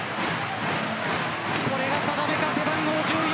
これがさだめか背番号１４